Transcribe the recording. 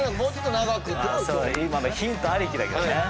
ヒントありきだけどね。